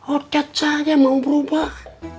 oh cacanya mau berubah